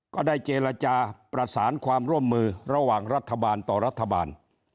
ก็ได้เจรจาประสานความร่วมมือระหว่างรัฐบาลต่อรัฐบาล